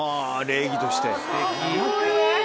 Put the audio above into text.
礼儀として。